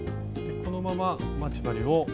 このまま待ち針を。